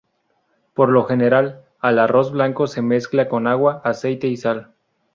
Por lo general, al arroz blanco se mezcla con agua, aceite y sal.